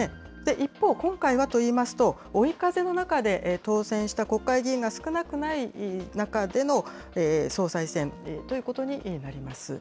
一方、今回はといいますと、追い風の中で当選した国会議員が少なくない中での総裁選ということになります。